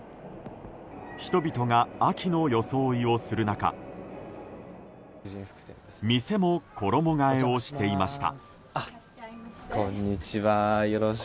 人々が秋の装いをする中店も衣替えをしていました。